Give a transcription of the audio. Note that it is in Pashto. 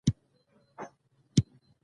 هغوی باید وپوهول شي.